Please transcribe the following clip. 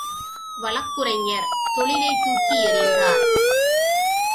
வழக்குரைஞர் தொழிலைத் தூக்கி எறிந்தார்.